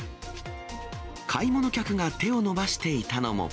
買い物客が手を伸ばしていたのも。